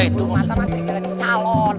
bulu mata mas serigala di salon